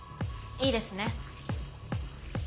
いいですね？